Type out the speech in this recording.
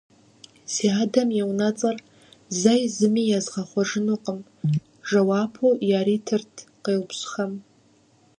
- Си адэм и унэцӀэр зэи зыми езгъэхъуэжынукъым, – жэуапу яритырт къеупщӀхэм.